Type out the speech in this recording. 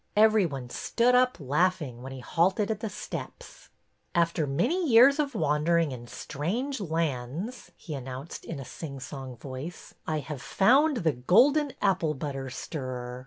Every one stood up, laughing, when he halted at the steps. " After many years of wanderings in strange lands,'' he announced, in a sing song voice, " I have found the golden apple butter stirrer.